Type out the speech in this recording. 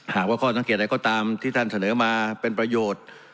หากว่าข้อสังเกตอะไรก็ตามที่ท่านเสนอมาเป็นประโยชน์